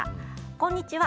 こんにちは。